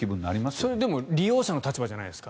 それは、でも利用者の立場じゃないですか。